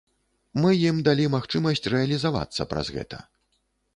Мы ім далі магчымасць рэалізавацца праз гэта.